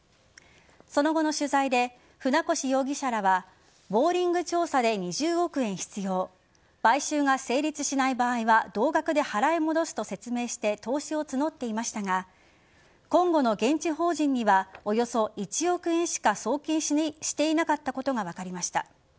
その後の取材で船越容疑者らはボーリング調査で２０億円必要買収が成立しない場合は同額で払い戻すと説明して投資を募っていましたがコンゴの現地法人にはおよそ１億円しか送金していなかったことが分かりました。